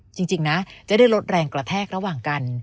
จริงนะจะได้ลดแรงกระแทกระหว่างกัน